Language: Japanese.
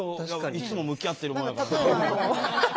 いつも向き合ってるもんやからな。